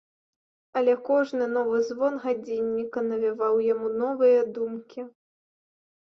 Але кожны новы звон гадзінніка навяваў яму новыя думкі.